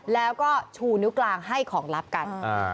แล้วก็ชูนิ้วกลางให้ของลับกัน